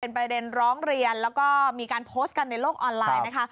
ประเด็นร้องเรียนแล้วก็มีการโพสต์กันในโลกออนไลน์นะคะ